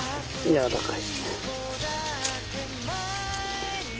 やわらかい。